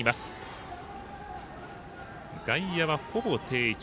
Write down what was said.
外野は、ほぼ定位置。